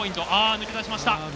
抜け出しました。